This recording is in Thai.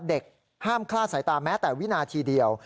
ห้ามคลาดสายตาแม้แต่วินาทีเดียว